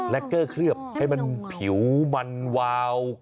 และเกอร์เคลือบให้มันผิวมันวาว